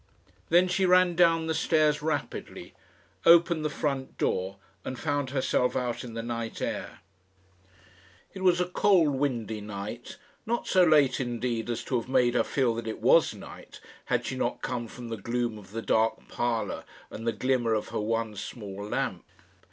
Then she ran down the stairs rapidly, opened the front door, and found herself out in the night air. It was a cold windy night not so late, indeed, as to have made her feel that it was night, had she not come from the gloom of the dark parlour, and the glimmer of her one small lamp.